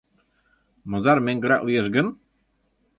— Мызар меҥгырак лиеш гын?